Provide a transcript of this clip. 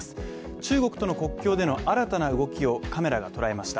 中国との国境での新たな動きをカメラが捉えました。